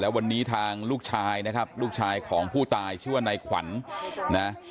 วันนี้ทางลูกชายนะครับลูกชายของผู้ตายชื่อว่านายขวัญนะ